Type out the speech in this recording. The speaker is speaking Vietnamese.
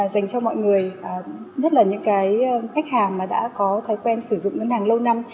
dành cho mọi người nhất là những cái khách hàng mà đã có thói quen sử dụng ngân hàng lâu năm